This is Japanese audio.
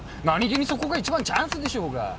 何げにそこが一番チャンスでしょうが！